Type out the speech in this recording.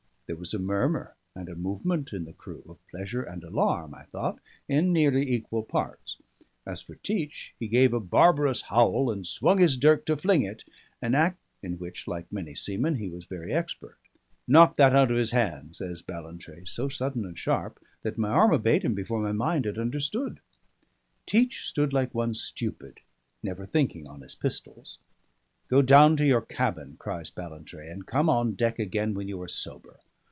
There was a murmur and a movement in the crew, of pleasure and alarm, I thought, in nearly equal parts. As for Teach, he gave a barbarous howl, and swung his dirk to fling it, an art in which (like many seamen) he was very expert. "Knock that out of his hand!" says Ballantrae, so sudden and sharp that my arm obeyed him before my mind had understood. Teach stood like one stupid, never thinking on his pistols. "Go down to your cabin," cries Ballantrae, "and come on deck again when you are sober.